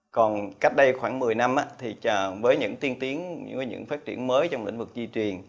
còn cách đây khoảng một mươi năm thì với những tiên tiến với những phát triển mới trong lĩnh vực di truyền